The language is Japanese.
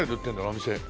お店。